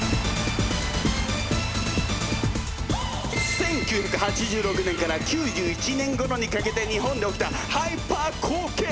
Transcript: １９８６年から９１年ごろにかけて日本で起きたハイパー好景気！